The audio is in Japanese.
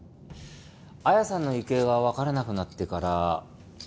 彩矢さんの行方がわからなくなってから。